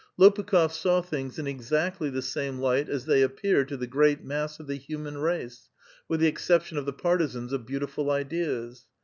Lopukhof saw tliintr^ in exactly the same light as the^' ap pear to the great mass of the human race, with the exception of the partisans of l>oautiful ideas.